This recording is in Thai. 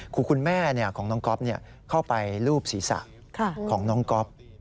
คือคุณแม่ของน้องก๊อฟเข้าไปรูปศีรษะของน้องก๊อฟ